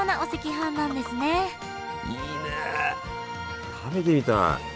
いいね食べてみたい。